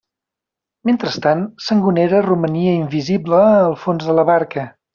Mentrestant, Sangonera romania invisible al fons de la barca.